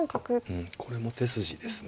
うんこれも手筋ですね。